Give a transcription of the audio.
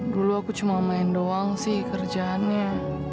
dulu aku cuma main doang sih kerjaannya